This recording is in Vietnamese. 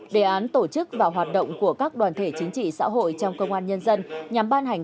đề án tổ chức và hoạt động của các đoàn thể chính trị xã hội trong công an nhân dân nhằm ban hành